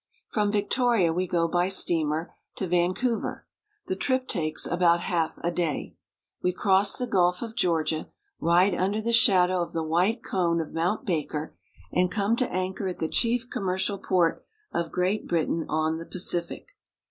From Victoria we go by steamer to Vancou ver. The trip takes about half a day. We cross theGulf of Georgia, ride under the shadow of the white cone of ' Mount Baker, and come to anchor at the chief commercial port of Great Britain on the Pacific.